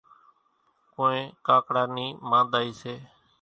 ڪونئين ڪاڪڙا نِي مانۮائِي سي۔